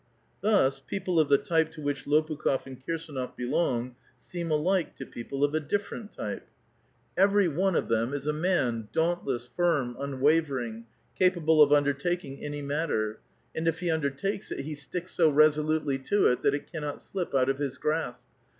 Thus people of the type to which Lopukh6f and Kirsdnof belong seem alike to people of a different type. Every one A VITAL QUESTION. 199 of them is a man, dauntless, iirm^ unwavering, capable of undertaking any matter ; and if he undertakes it, he sticks so resolutely to it that it cannot slip out of his grasp.